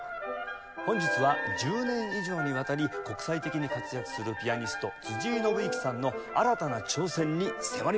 本日は１０年以上にわたり国際的に活躍するピアニスト辻井伸行さんの新たな挑戦に迫ります。